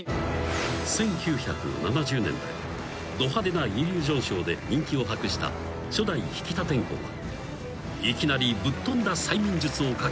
［１９７０年代ど派手なイリュージョンショーで人気を博した初代引田天功はいきなりぶっとんだ催眠術をかけていた］